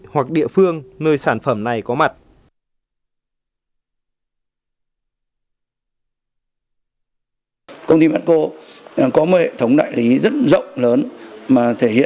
hoặc địa phương nơi sản phẩm này có mặt